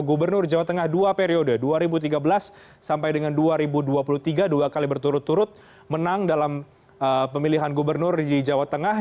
gubernur jawa tengah dua periode dua ribu tiga belas sampai dengan dua ribu dua puluh tiga dua kali berturut turut menang dalam pemilihan gubernur di jawa tengah